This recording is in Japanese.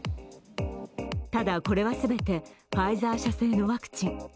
ただ、これは全てファイザー社製のワクチン。